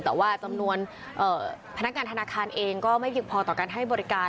แต่ว่าจำนวนพนักงานธนาคารเองก็ไม่เพียงพอต่อการให้บริการ